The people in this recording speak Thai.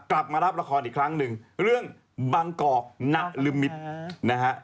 กลับมารับละครอีกครั้งหนึ่งเรื่องบังกอกณลมิตรนะฮะ